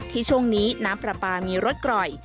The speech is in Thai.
ที่ช่วงนี้น้ำปลามีรถกร่อย